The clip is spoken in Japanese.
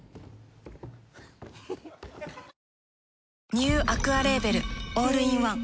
ニューアクアレーベルオールインワン